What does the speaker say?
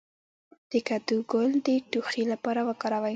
د کدو ګل د ټوخي لپاره وکاروئ